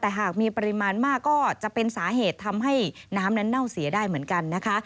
แต่หากมีปริมาณมากก็จะเป็นสาเหตุทำให้น้ำนั้นเน่าเสียได้เหมือนกันนะคะ